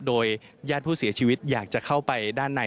โดยญาติผู้เสียชีวิตอยากจะเข้าไปด้านใน